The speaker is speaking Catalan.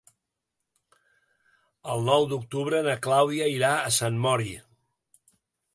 El nou d'octubre na Clàudia irà a Sant Mori.